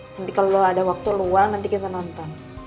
nanti kalau ada waktu luang nanti kita nonton